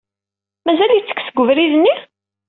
Mazal yettekk seg ubrid-nni?